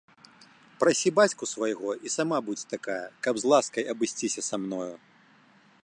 Прасi бацьку свайго i сама будзь такая, каб з ласкай абысцiся са мною.